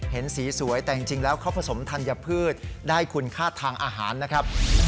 เห็นสีสวยแต่จริงแล้วเขาผสมธัญพืชได้คุณค่าทางอาหารนะครับ